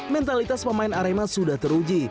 mentalitas pemain arema sudah teruji